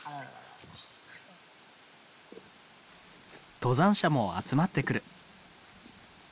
登山者も集まってくる。